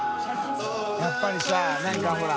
やっぱりさなんかほら。